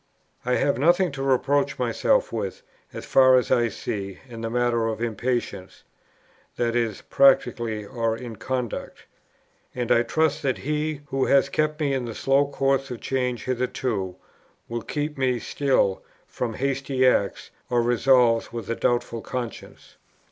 "I have nothing to reproach myself with, as far as I see, in the matter of impatience; i.e. practically or in conduct. And I trust that He, who has kept me in the slow course of change hitherto, will keep me still from hasty acts, or resolves with a doubtful conscience.